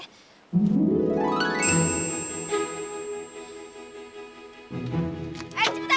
endarus too adai